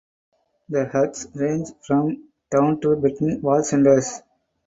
The huts range from down to between wall centres.